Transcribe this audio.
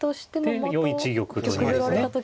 で４一玉と逃げるとね。